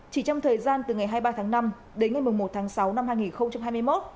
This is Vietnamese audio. chỉ trong thời gian từ ngày hai mươi ba tháng năm đến ngày một tháng sáu năm hai nghìn hai mươi một